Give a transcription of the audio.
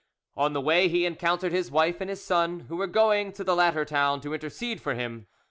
On the way he encountered his wife and his son, who were going to the latter town to intercede for him.